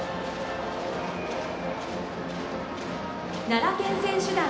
奈良県選手団。